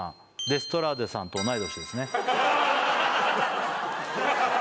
デストラーデさんと同い年ですね